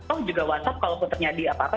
oh juga whatsapp kalau pun ternyata di apa apa